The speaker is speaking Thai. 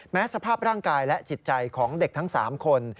สภาพร่างกายและจิตใจของเด็กทั้ง๓คน